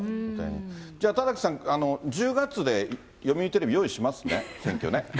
じゃあ、田崎さん、１０月で読売テレビ、用意しますね、選挙ね。